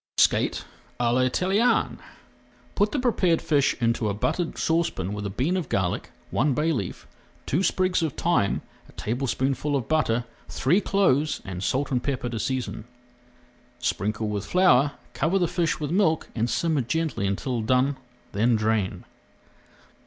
SKATE À L'ITALIENNE Put the prepared fish into a buttered saucepan with a bean of garlic, one bay leaf, two sprigs of thyme, a tablespoonful of butter, three cloves, and salt and pepper to season. Sprinkle with flour, cover the fish with milk, and simmer gently until done, then drain.